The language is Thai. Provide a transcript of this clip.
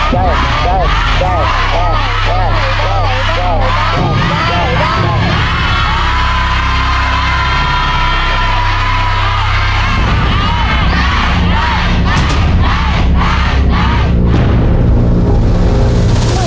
ได้ได้ได้